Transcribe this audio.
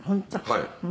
「はい。